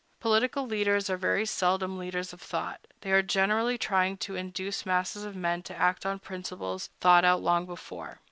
Political leaders are very seldom leaders of thought; they are generally trying to induce masses of men to act on principles thought out long before.